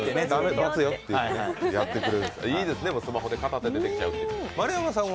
いいですね、スマホで片手でできちゃうという。